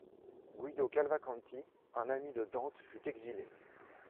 Guido Cavalcanti, un ami de Dante fut exilé.